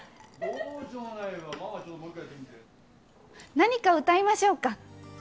何か歌いましょうか！